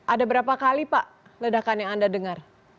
ada berapa kali pak ledakan yang anda dengar